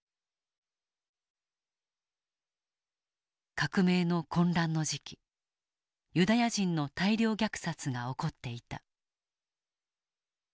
革命の混乱の時期ユダヤ人の大量虐殺が起こっていた。